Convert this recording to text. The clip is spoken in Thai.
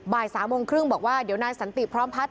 ๓โมงครึ่งบอกว่าเดี๋ยวนายสันติพร้อมพัฒน